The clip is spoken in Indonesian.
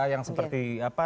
yang seperti apa